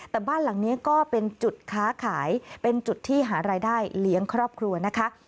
แต่บ้านหลังนี้ก็เป็นจุดค้าขายเป็นจุดที่หารายได้เลี้ยงครอบครัวนะคะ